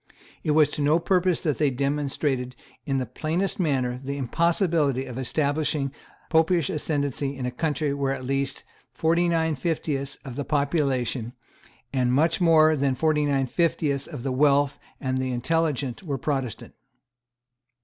It was to no purpose that they demonstrated in the plainest manner the impossibility of establishing Popish ascendancy in a country where at least forty nine fiftieths of the population and much more than forty nine fiftieths of the wealth and the intelligence were Protestant.